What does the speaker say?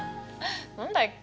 何だっけ？